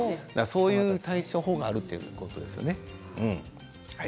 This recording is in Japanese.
そういう対処法があるということですね。